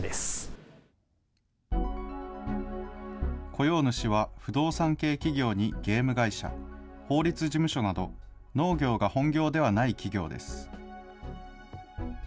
雇用主は不動産系企業にゲーム会社、法律事務所など、農業が本業ではない企業です。